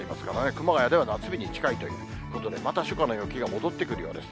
熊谷では夏日に近いということで、また初夏の陽気が戻ってくるようです。